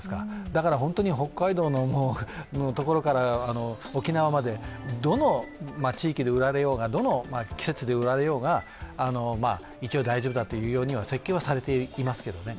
だから本当に北海道のところから沖縄まで、どの地域で売られようが、どの季節で売られようが一応大丈夫だというように設計はされていますけれどもね。